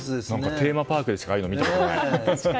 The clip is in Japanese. テーマパークでしかこういうの見たことない。